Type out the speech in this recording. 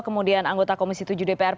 kemudian anggota komisi tujuh dpr